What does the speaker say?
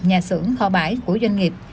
nhà xưởng thò bãi của doanh nghiệp